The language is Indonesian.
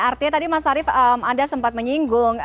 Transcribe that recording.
artinya tadi mas arief anda sempat menyinggung